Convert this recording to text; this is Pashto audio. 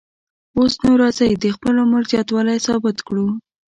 اوس نو راځئ د خپل عمر زیاتوالی ثابت کړو.